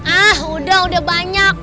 ah udah udah banyak